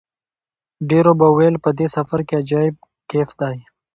ډېرو به ویل په دې سفر کې عجیب کیف دی.